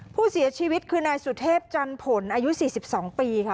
ผู้เสียชีวิตคือนายสุเทพจันผลอายุ๔๒ปีค่ะ